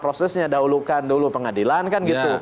prosesnya dahulukan dulu pengadilan kan gitu